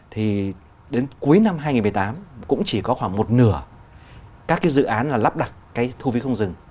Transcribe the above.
thì đến cuối năm hai nghìn một mươi tám cũng chỉ có khoảng một nửa các dự án lắp đặt thu phí không dừng